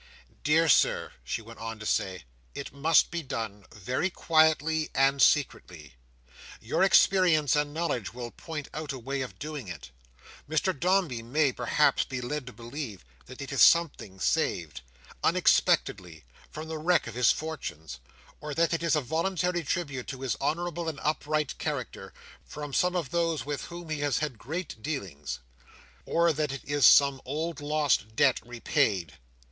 "Dear Sir," she went on to say, "it must be done very quietly and secretly. Your experience and knowledge will point out a way of doing it. Mr Dombey may, perhaps, be led to believe that it is something saved, unexpectedly, from the wreck of his fortunes; or that it is a voluntary tribute to his honourable and upright character, from some of those with whom he has had great dealings; or that it is some old lost debt repaid.